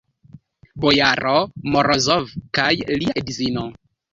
Bojaro Morozov kaj lia edzino.